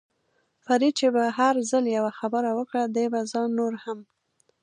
فرید چې به هر ځل یوه خبره وکړه، دې به ځان نور هم.